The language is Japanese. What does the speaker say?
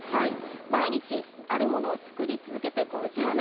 毎日あるものを作り続けて５０年。